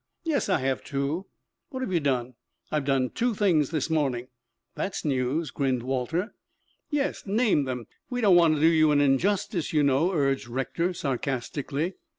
"Yes, I have, too." "What have you done?" "I've done two things this morning." "That's news," grinned Walter. "Yes, name them. We don't want to do you an injustice, you know," urged Rector sarcastically.